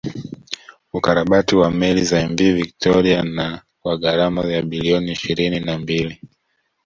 Ukarabati wa meli za Mv Victoria na kwa gharama ya bilioni ishirini na mbili